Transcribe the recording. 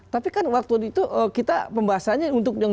tapi kan waktu itu kita pembahasannya untuk yang dua ribu dua puluh